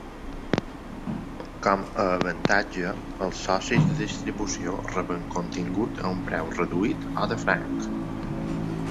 Com a avantatge, els socis de distribució reben contingut a un preu reduït o de franc.